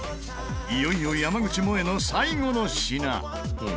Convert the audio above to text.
いよいよ山口もえの最後の品。